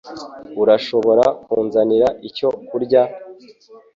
Urashobora kunzanira icyo kurya?